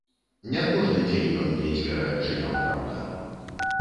Не кожны дзень ён мне дзверы адчыняў, праўда.